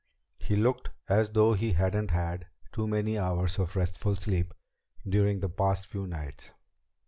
He looked as though he hadn't had too many hours of restful sleep during the past few nights.